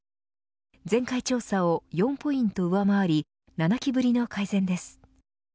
前回調査を４ポイント上回り７期ぶりの改善です。